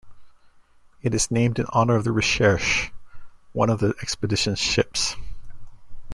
It is named in honour of the "Recherche", one of the expedition's ships.